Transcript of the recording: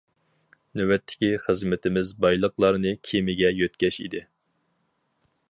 نۆۋەتتىكى خىزمىتىمىز بايلىقلارنى كېمىگە يۆتكەش ئىدى.